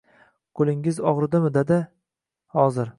Qo‘lingiz og‘ridimi, dada, hozir